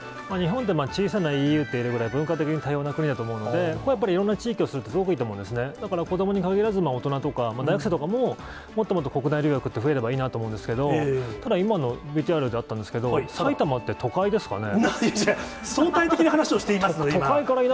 日本って小さなＥＵっていうぐらい、文化的に多様な国だと思うので、やっぱりいろんな地域を知るっていいと思うんですね、子どもに限らず、やっぱり大人とか大学生とかも、もっともっと国内留学って増えればいいなと思うんですけど、ただ、今のＶＴＲであったんです相対的な話をしています？